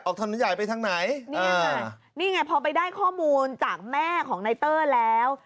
ถนนใหญ่ไปทางไหนเนี่ยนี่ไงพอไปได้ข้อมูลจากแม่ของนายเตอร์แล้ว